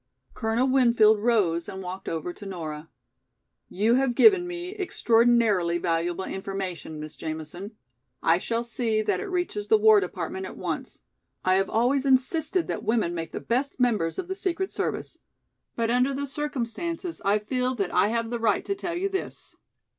Colonel Winfield rose and walked over to Nora. "You have given me extraordinarily valuable information, Miss Jamison. I shall see that it reaches the War Department at once. I have always insisted that women make the best members of the secret service. But under the circumstances I feel that I have the right to tell you this.